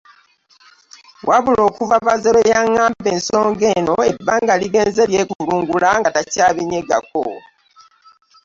Wabula okuva baze lwe yang’amba ensonga eno ebbanga ligenze lyekulunguula nga takyabinyegako.